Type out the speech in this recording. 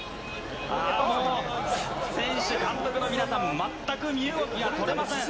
あー、もう選手、監督の皆さん、全く身動きが取れません。